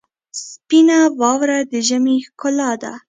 سپینه واوره د ژمي ښکلا ده.